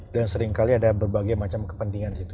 dan seringkali ada berbagai macam kepentingan di situ